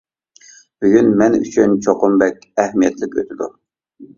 بۈگۈن مەن ئۈچۈن چوقۇم بەك ئەھمىيەتلىك ئۆتىدۇ!